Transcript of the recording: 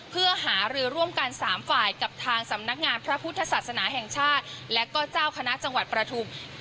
เพื่อหารือร่วมกัน๓ฝ่ายกับทางสำนักงานพระพุทธศาสนาแห่งชาติและก็เจ้าคณะจังหวัดประทุม